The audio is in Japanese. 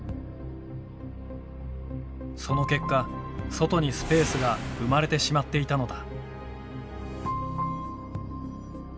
その結果外にスペースが生まれてしまっていたのだ。